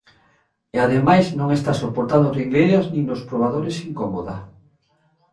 E ademais non estás soportando ringleiras nin nos probadores incómoda.